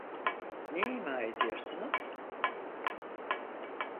Ne ima ediyorsunuz?